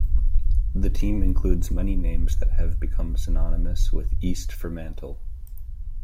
The team includes many names that have become synonymous with East Fremantle.